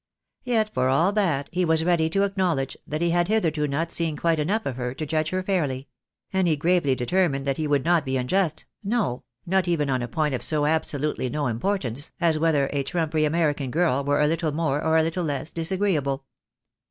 Yet for all that, he was ready to acknowledge, that he had hitherto not seen quite enough of her to judge her fairly ; and he gravely determined that he would not be unjust, no, not even on a point of so absolutely no importance, as whether a trumpery American girl were a little more or a little less disagreeable.